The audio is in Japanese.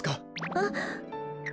あっ。